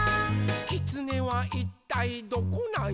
「きつねはいったいどこなんよ？」